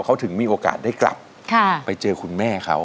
เขาถึงมีโอกาสได้กลับไปเจอคุณแม่เขา